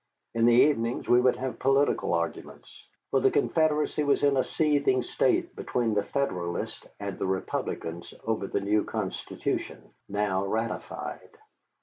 In the evenings we would have political arguments, for the Confederacy was in a seething state between the Federalists and the Republicans over the new Constitution, now ratified.